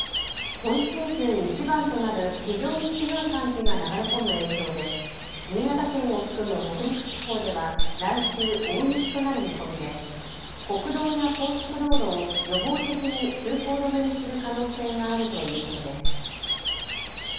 今シーズンいちばんとなる非常に強い寒気が流れ込む影響で新潟県を含む北陸地方では来週、大雪となる見込みで国道や高速道路を予防的に通行止めにする可能性があるということです。